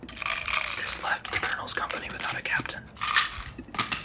This left the colonel's company without a captain.